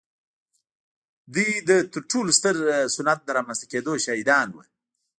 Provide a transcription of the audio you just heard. دوی د تر ټولو ستر صنعت د رامنځته کېدو شاهدان وو.